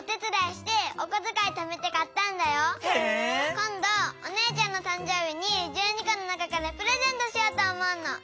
こんどおねえちゃんのたんじょうびに１２このなかからプレゼントしようとおもうの。